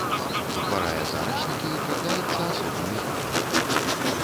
Утварае зараснікі і трапляецца асобнымі групамі.